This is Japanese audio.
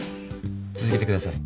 続けてください。